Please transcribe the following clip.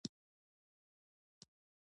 بلکې هغه پالیسۍ معقولې راته ښکارېدلې.